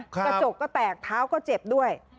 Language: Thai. กระจกก็แตกเท้าก็เจ็บด้วย